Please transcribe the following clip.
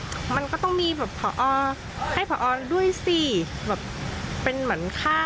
เห้ยมันก็ต้องมีภรรอให้พรรฟ์ออลด้วยสิแบบเป็นเหมือนค่า